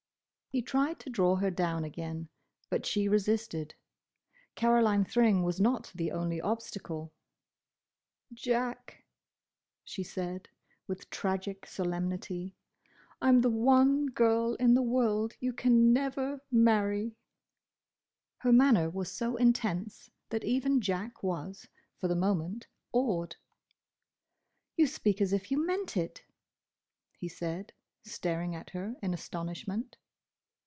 He tried to draw her down again, but she resisted. Caroline Thring was not the only obstacle. "Jack," she said, with tragic solemnity, "I 'm the one girl in the world you can never marry!" Her manner was so intense, that even Jack was, for the moment, awed. "You speak as if you meant it!" he said, staring at her in astonishment.